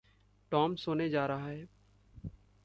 Tom सोने जा रहा है।